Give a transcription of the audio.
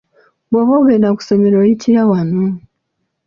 Bw'oba ogenda ku ssomero oyitira wano.